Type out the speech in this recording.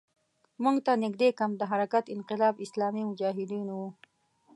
موږ ته نږدې کمپ د حرکت انقلاب اسلامي مجاهدینو وو.